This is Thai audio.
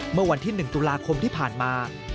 เมื่อวันที่๑ตุลาคมที่ผ่านมา